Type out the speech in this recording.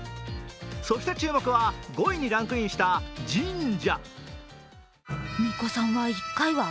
そして注目は５位にランクインした神社。